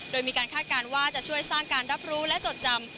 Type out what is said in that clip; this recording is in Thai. โดยมีการคาดการณ์ว่าจะช่วยสร้างการรับรู้และจดจำ